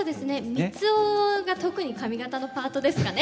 三生が特に髪形のパートですかね。